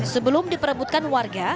sebelum diperebutkan warga